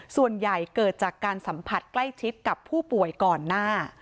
ส่วนใหญ่เกิดจากการสัมผัสใกล้ทิศกับผู้ป่วยก่อนหน้า